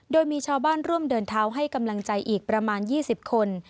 โดยมีชาวบ้านร่วมเดินเท้าให้กำลังใจอีกประมาณ๒๐คน